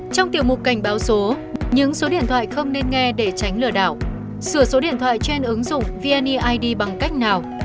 trong tiểu mục cảnh báo số những số điện thoại không nên nghe để tránh lừa đảo sửa số điện thoại trên ứng dụng vneid bằng cách nào